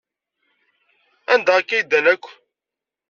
Anda akka ay ddan akk?